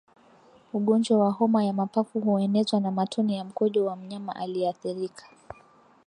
Ugonjwa wa homa ya mapafu huenezwa na matone ya mkojo wa mnyama aliyeathirika